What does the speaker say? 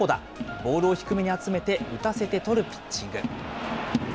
ボールを低めに集めて、打たせて取るピッチング。